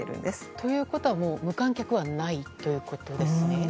ということは無観客はないということですね。